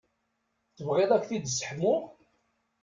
Tebɣiḍ ad k-t-id-sseḥmuɣ?